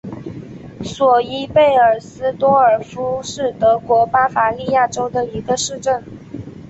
索伊贝尔斯多尔夫是德国巴伐利亚州的一个市镇。